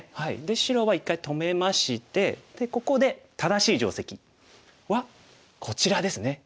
白は一回止めましてでここで正しい定石はこちらですね。